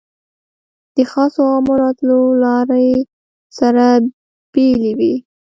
د خاصو او عامو راتلو لارې سره بېلې وې.